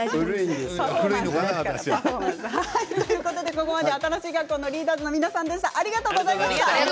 ここまで新しい学校のリーダーズの皆さんありがとうございました。